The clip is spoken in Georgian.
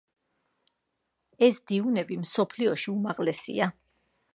ეს დიუნები მსოფლიოში უმაღლესია.